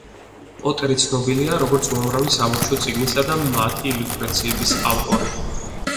პოტერი ცნობილია, როგორც უამრავი საბავშვო წიგნისა და მათი ილუსტრაციების ავტორი.